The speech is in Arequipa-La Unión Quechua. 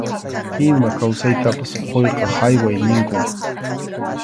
Ima kawsaytapas quyqa hayway ninkum.